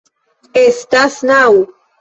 Estas naŭ.